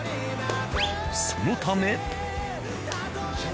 そのため。